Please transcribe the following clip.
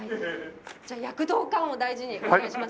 じゃあ躍動感を大事にお願いします。